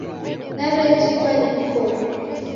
Nawejingwa ni mkonu.